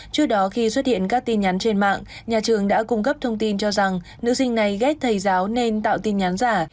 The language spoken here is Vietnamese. trước đó khi xuất hiện các tin nhắn trên mạng nhà trường đã cung cấp thông tin cho rằng nữ sinh này ghép thầy giáo nên tạo tin nhắn giả